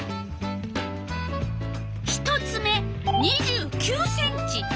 １つ目２９ｃｍ。